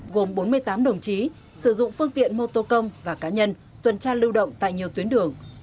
gồm bốn mươi tám đồng chí sử dụng phương tiện mô tô công và cá nhân tuần tra lưu động tại nhiều tuyến đường